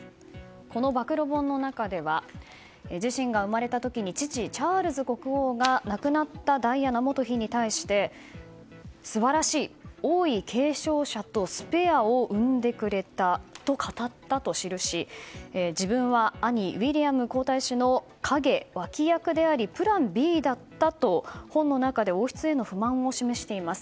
この暴露本の中では自身が生まれた時に父チャールズ国王が亡くなったダイアナ元妃に対して素晴らしい王位継承者とスペアを生んでくれたと語ったとしるし自分は兄ウィリアム皇太子の影、脇役でありプランＢだったと本の中で王室への不満を示しています。